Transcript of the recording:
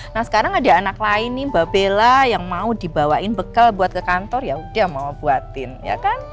nah sekarang ada anak lain nih mbak bella yang mau dibawain bekal buat ke kantor ya udah mau buatin ya kan